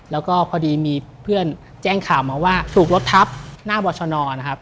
แล้วก็พอดีมีเพื่อนแจ้งข่าวมาว่าถูกรถทับหน้าบรชนนะครับ